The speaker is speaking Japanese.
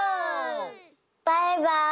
バイバイ。